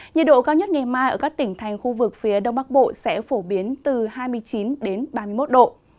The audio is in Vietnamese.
nhiệt độ cao nhất ngày mai ở các tỉnh thành khu vực phía đông bắc bộ sẽ phổ biến từ hai mươi chín ba mươi một độ